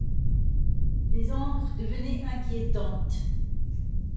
Les ombres devenaient inquiétantes.